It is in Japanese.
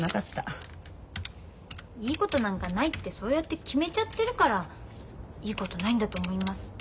いいことなんかないってそうやって決めちゃってるからいいことないんだと思います。